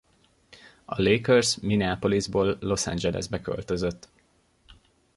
A Lakers Minneapolisból Los Angelesbe költözött.